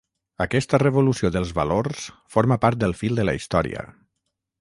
Aquesta revolució dels valors forma part del fil de la història.